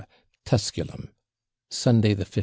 TUSCULUM, Sunday 15.